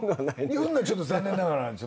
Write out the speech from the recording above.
日本のはちょっと残念ながら。